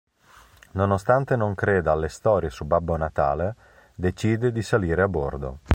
Nonostante non creda alle storie su Babbo Natale, decide di salire a bordo.